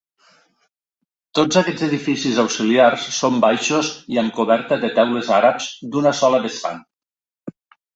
Tots aquests edificis auxiliars són baixos i amb coberta de teules àrabs d'una sola vessant.